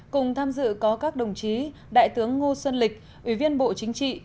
cùng tham dự có các đồng chí đại tướng ngô xuân lịch ủy viên bộ chính trị